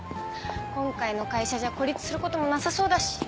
今回の会社じゃ孤立することもなさそうだし